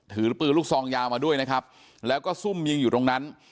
ถือปืนลูกซองยาวมาด้วยนะครับแล้วก็ซุ่มยิงอยู่ตรงนั้น